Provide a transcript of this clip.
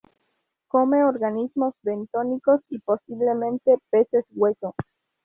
Come organismos bentónicos y, posiblemente, peces hueso.